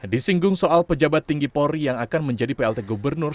disinggung soal pejabat tinggi polri yang akan menjadi plt gubernur